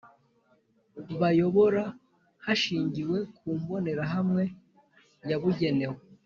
bayobora hashingiwe ku mbonerahamwe yabugenewe